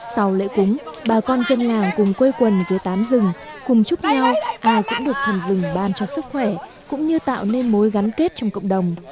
sau lễ cúng bà con dân làng cùng quê quần dưới tán rừng cùng chúc nhau ai cũng được thần rừng ban cho sức khỏe cũng như tạo nên mối gắn kết trong cộng đồng